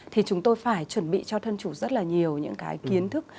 thì chúng tôi phải chuẩn bị cho thân chủ rất là nhiều những cái kiến thức